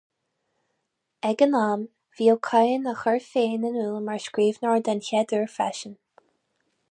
Ag an am, bhí Ó Cadhain á chur féin in iúl mar scríbhneoir den chéad uair freisin.